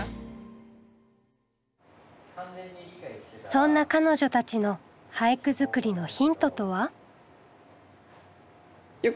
そんな彼女たちの俳句作りのヒントとは？